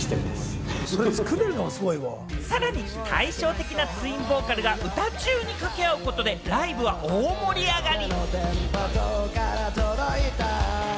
さらに対照的なツインボーカルが歌中に掛け合うことで、ライブは大盛り上がり。